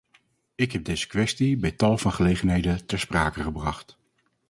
Ik heb deze kwestie bij tal van gelegenheden ter sprake gebracht.